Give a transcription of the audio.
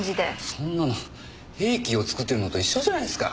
そんなの兵器を作ってるのと一緒じゃないですか。